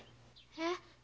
えっ？